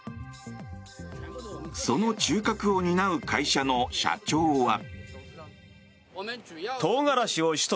その中核を担う会社の社長は。